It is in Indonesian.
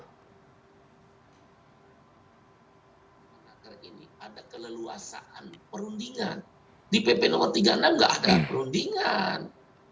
perundingan di pp no tiga puluh enam nggak ada perundingan